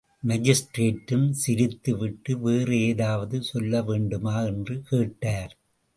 மாஜிஸ்ட்ரேட்டும் சிரித்து விட்டு வேறு ஏதாவது சொல்ல வேண்டுமா? என்று கேட்டார்.